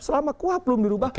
selama kuhab belum dirubah